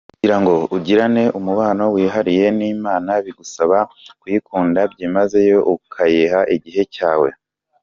Kugira ngo ugirane umubano wihariye n’Imana bigusaba kuyikunda byimazeyo ukayiha igihe cyawe.